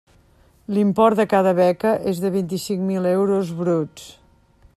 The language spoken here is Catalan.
L'import de cada beca és de vint-i-cinc mil euros bruts.